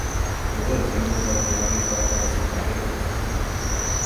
Boas vindas aos jovens para participar e participar